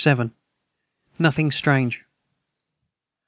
Nothing strange.